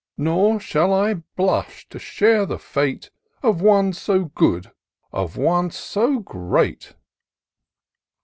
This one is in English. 59 Nor shall I blush to share the fate Of one so good — of one so great."